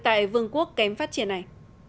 tại vương quốc kém phát triển này